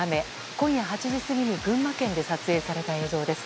今夜８時過ぎに群馬県で撮影された映像です。